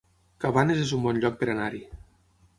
Cabanes es un bon lloc per anar-hi